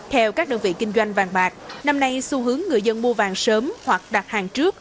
theo các đơn vị kinh doanh vàng bạc năm nay xu hướng người dân mua vàng sớm hoặc đặt hàng trước